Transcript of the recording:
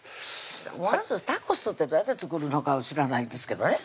まずタコスってどうやって作るのかを知らないんですけどね